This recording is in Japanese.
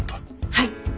はい。